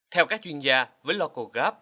theo các chuyên gia với local gap